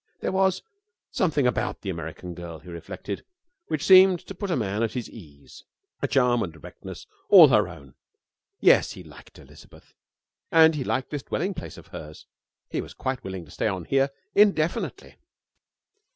There was something about the American girl, he reflected, which seemed to put a man at his ease, a charm and directness all her own. Yes, he liked Elizabeth, and he liked this dwelling place of hers. He was quite willing to stay on here indefinitely.